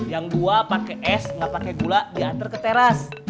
yang dua pakai es nggak pakai gula diantar ke teras